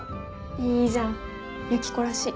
いいじゃんユキコらしい。